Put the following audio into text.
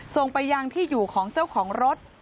ส่งไปยังที่อยู่ของเจ้าของรถ